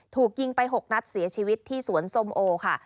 ถูกยิงไป๖นัดเสียชีวิตที่สวนส้มโอค่ะ